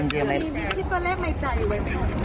ก็คิดไว้ค่ะแต่ยังบอกไม่ได้